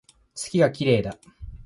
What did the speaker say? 月が綺麗だ